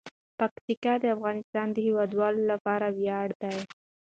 پکتیکا د افغانستان د هیوادوالو لپاره ویاړ دی.